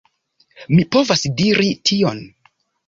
Mi povas diri tion.